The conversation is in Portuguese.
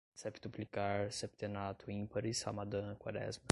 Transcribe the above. septuplicar, septenato, ímpares, Ramadã, quaresma